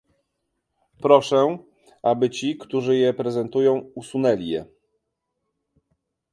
Proszę, aby ci, którzy je prezentują, usunęli je